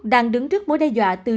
đang đứng trước mối đe dọa từ